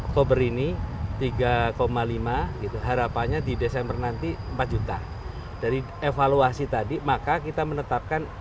oktober ini tiga lima gitu harapannya di desember nanti empat juta dari evaluasi tadi maka kita menetapkan